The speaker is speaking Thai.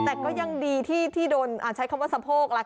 แต่ก็ยังดีที่โดนใช้คำว่าสะโพกล่ะค่ะ